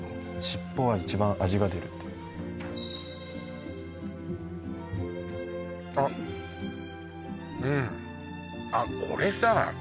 尻尾は一番味が出るっていいますあっうんあっこれさ